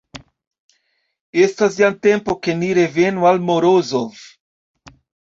Estas jam tempo, ke ni revenu al Morozov.